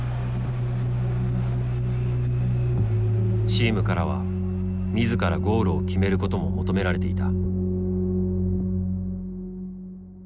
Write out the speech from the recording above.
チームからは自らゴールを決めることも求められていた。